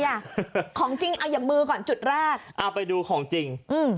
ของจริงเอาอย่างมือก่อนจุดแรกเอาไปดูของจริงอืม